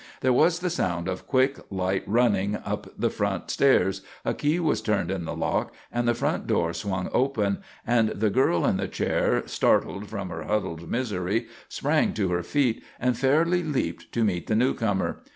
There was the sound of quick, light running up the front stairs, a key was turned in the lock, the front door swung open, and the girl in the chair, startled from her huddled misery, sprang to her feet and fairly leaped to meet the newcomer.